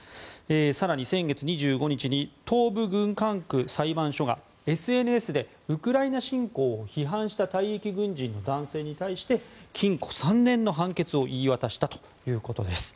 更に、先月２５日に東部軍管区裁判所がＳＮＳでウクライナ侵攻を批判した退役軍人の男性に対して禁錮３年の判決を言い渡したということです。